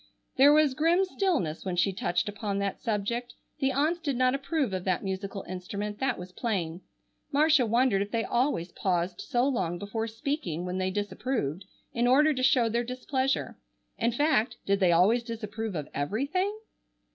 There was grim stillness when she touched upon that subject. The aunts did not approve of that musical instrument, that was plain. Marcia wondered if they always paused so long before speaking when they disapproved, in order to show their displeasure. In fact, did they always disapprove of everything?